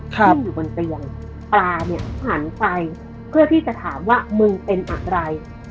ขึ้นอยู่บนเตียงปลาเนี่ยหันไปเพื่อที่จะถามว่ามึงเป็นอะไร